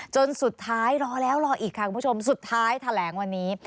จนสุดท้ายรอแล้วรออีกค่ะคุณผู้ชมสุดท้ายแถลงวันนี้